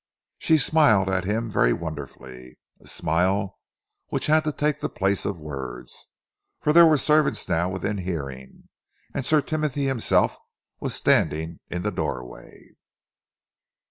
She smiled at him very wonderfully, a smile which had to take the place of words, for there were servants now within hearing, and Sir Timothy himself was standing in the doorway.